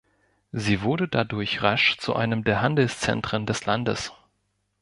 Sie wurde dadurch rasch zu einem der Handelszentren des Landes.